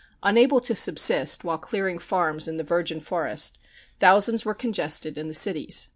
Unable to subsist while clearing farms in the virgin forest, thousands were congested in the cities.